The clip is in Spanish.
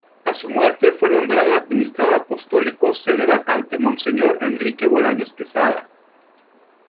A su muerte fue nombrado Administrador Apostólico Sede Vacante Monseñor Enrique Bolaños Quesada.